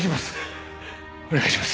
お願いします。